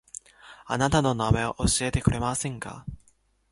あなたの名前を教えてくれませんか